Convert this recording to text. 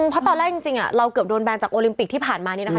เพราะตอนแรกจริงเราเกือบโดนแบนจากโอลิมปิกที่ผ่านมานี้นะคะ